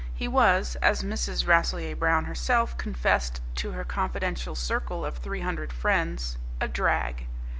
He was, as Mrs. Rasselyer Brown herself confessed to her confidential circle of three hundred friends, a drag.